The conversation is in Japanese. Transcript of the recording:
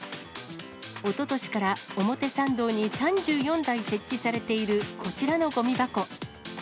おととしから、表参道に３４台設置されているこちらのごみ箱。